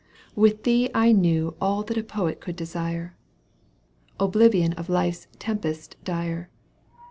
With thee I knew AJJ that a poet could desire, oblivion of life's tempest dire.